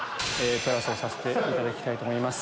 プラスをさせていただきたいと思います。